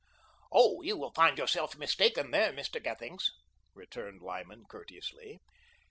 "Oh, you will find yourself mistaken there, Mr. Gethings," returned Lyman courteously.